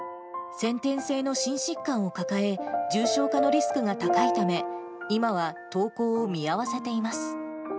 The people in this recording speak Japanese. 先天性の心疾患を抱え、重症化のリスクが高いため、今は登校を見合わせています。